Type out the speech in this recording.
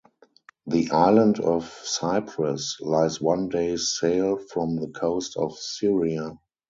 The island of Cyprus lies one day's sail from the coast of Syria.